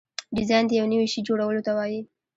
ډیزاین د یو نوي شي جوړولو ته وایي.